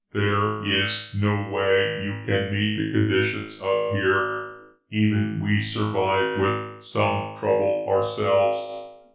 "There is no way you can meet the conditions up here. Even we survive with some trouble, ourselves.